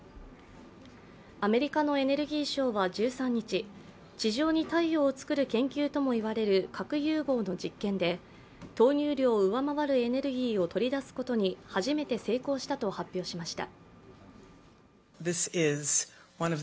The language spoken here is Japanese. アメリカのエネルギー省は１３日、地上に太陽を作る研究とも言われる核融合の実験で投入量を上回るエネルギーを取り出すことに初めて成功したと発表しました。